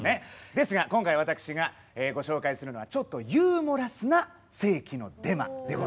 ですが今回私がご紹介するのはちょっとユーモラスな世紀のデマでございます。